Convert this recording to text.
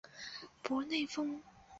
博内丰。